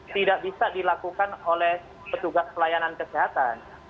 tidak bisa dilakukan oleh petugas pelayanan kesehatan